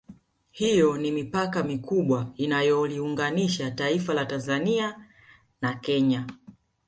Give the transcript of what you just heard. Hiyo ni mipaka mikubwa inayoliunganisha taifa la Tanzania na Kenya